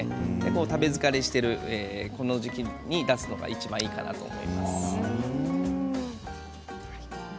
食べ疲れしているこの時期に出すのがいちばんいいかなと思います。